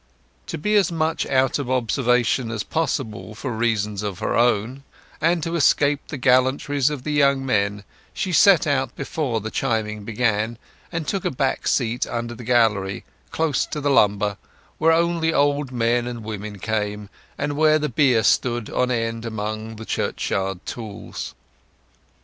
To be as much out of observation as possible for reasons of her own, and to escape the gallantries of the young men, she set out before the chiming began, and took a back seat under the gallery, close to the lumber, where only old men and women came, and where the bier stood on end among the churchyard tools.